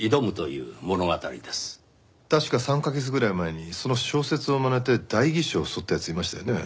確か３カ月ぐらい前にその小説をまねて代議士を襲った奴いましたよね。